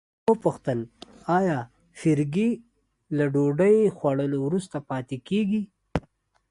ما وپوښتل آیا فرګي له ډوډۍ خوړلو وروسته پاتې کیږي.